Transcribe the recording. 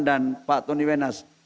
dan pak tony wenas